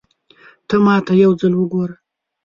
ته ماته يو ځل وګوره